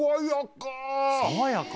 爽やか？